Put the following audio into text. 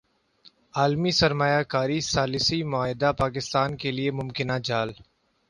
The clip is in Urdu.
عالمی سرمایہ کاری ثالثی معاہدہ پاکستان کیلئے ممکنہ جال